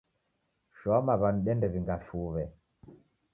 Shoa maw'anu diende w'inga fuw'e